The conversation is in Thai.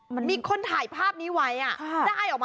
มีคนถ่ายภาพนี้ไว้น่ากลัวน่ะ